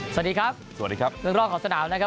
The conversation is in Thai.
สวัสดีครับสวัสดีครับเรื่องรอบของสนามนะครับ